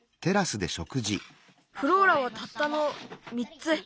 フローラはたったの３つ。